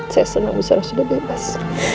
saya senang bu sarah sudah bebas